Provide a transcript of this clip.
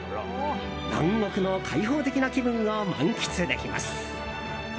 南国の開放的な気分を満喫できます。